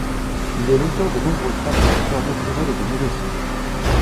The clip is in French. Il est l'auteur de nombreux travaux d'histoire naturelle et de médecine.